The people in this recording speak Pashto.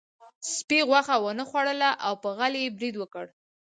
سپي غوښه ونه خوړله او په غل یې برید وکړ.